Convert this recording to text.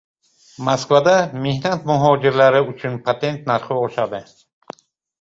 Moskvada mehnat migrantlari uchun patent narxi oshadi